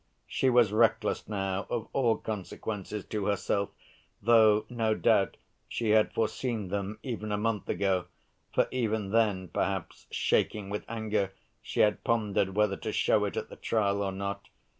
She was reckless now of all consequences to herself, though, no doubt, she had foreseen them even a month ago, for even then, perhaps, shaking with anger, she had pondered whether to show it at the trial or not.